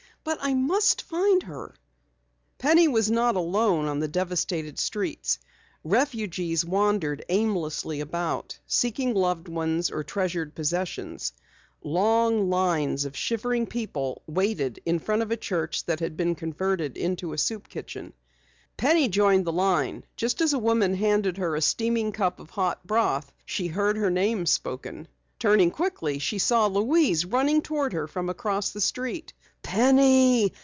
"But I must find her." Penny was not alone on the devastated streets. Refugees wandered aimlessly about, seeking loved ones or treasured possessions. Long lines of shivering people waited in front of a church that had been converted into a soup kitchen. Penny joined the line. Just as a woman handed her a steaming cup of hot broth, she heard her name spoken. Turning quickly, she saw Louise running toward her from across the street. "Penny!